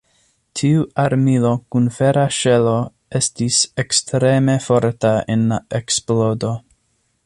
Tiu armilo kun fera ŝelo estis ekstreme forta en la eksplodo.